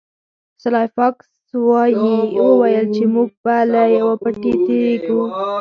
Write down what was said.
سلای فاکس وویل چې موږ به له یوه پټي تیریږو